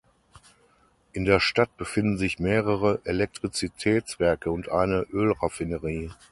In der Stadt befinden sich mehrere Elektrizitätswerke und eine Ölraffinerie.